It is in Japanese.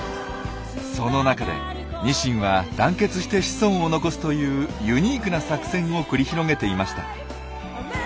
その中でニシンは団結して子孫を残すというユニークな作戦を繰り広げていました。